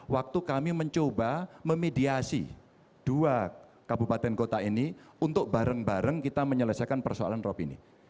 waktu kami mencoba memediasi dua kabupaten kota ini untuk bareng bareng kita menyelesaikan persoalan rob ini